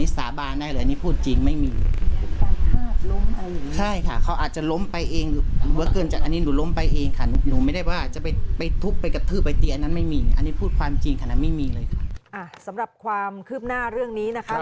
สำหรับความคืบหน้าเรื่องนี้นะคะ